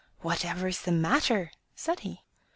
"Whatever is the matter?" says he.